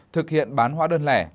thực hiện bán hóa đơn lẻ